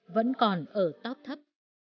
vẫn còn ở tóp thấp